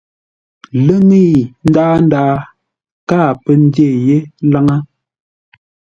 Ləŋəi ndaa káa pə́ ndyé yé laŋə́-ndə̂u.